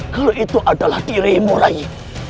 kalo ituakah raku raji